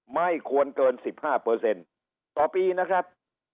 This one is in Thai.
ไม่ควรเกิน๑๕ต่อปีนะครับ